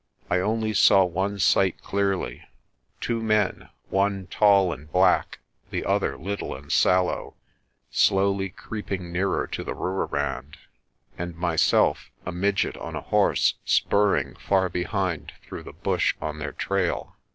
I only saw one sight clearly two men, one tall and black, the other little and sallow, slowly creeping nearer to the Rooirand, and myself, a midget on a horse, spurring far behind through the bush on their trail.